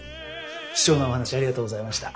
貴重なお話ありがとうございました。